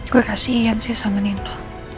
gue kasih ian sih sama nino